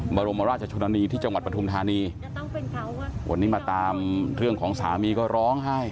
บรมราชชนนานีที่จังหวัดปฐุมธานีวันนี้มาตามเรื่องของสามีก็ร้องไห้